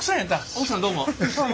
奥さんどうも。